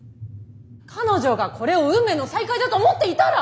彼女がこれを運命の再会だと思っていたら！？